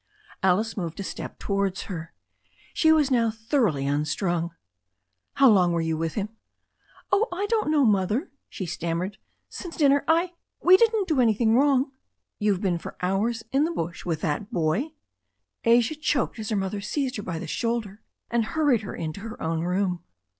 Alice moved a step towards her. She was now thoroughly unstrung. "How long were you with him?'* "Oh, I don't know, Mother," she stammered, "since din ner — I — ^we didn't do anything wrong." "You've been for hours in the bush with that boy !" Asia choked as her mother seized her by the shoulder, and hurried her into her own room.